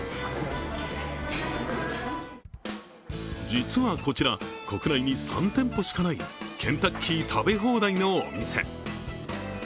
実はこちら、国内に３店舗しかないケンタッキー食べ放題のお店。